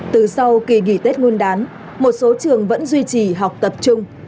từ sau kỳ kỳ tết nguồn đán một số trường vẫn duy trì học tập trung